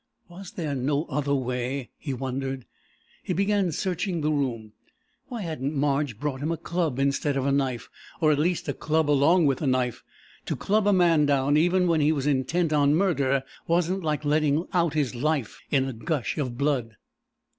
Was there no other way, he wondered? He began searching the room. Why hadn't Marge brought him a club instead of a knife, or at least a club along with the knife? To club a man down, even when he was intent on murder, wasn't like letting out his life in a gush of blood.